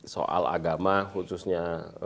soal agama khususnya